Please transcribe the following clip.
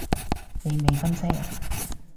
你未婚妻啊